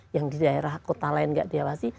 yang di daerah kota lain tidak diawasi